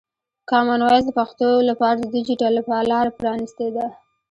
کامن وایس د پښتو لپاره د ډیجیټل لاره پرانستې ده.